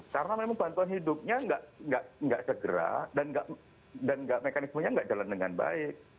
karena memang bantuan hidupnya nggak segera dan mekanismenya nggak jalan dengan baik